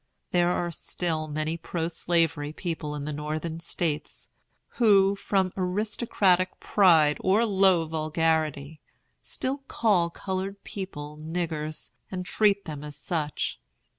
There are still many pro slavery people in the Northern States, who, from aristocratic pride or low vulgarity, still call colored people "niggers," and treat them as such.